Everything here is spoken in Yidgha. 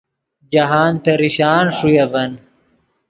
جاہند پریشان ݰوئے اڤن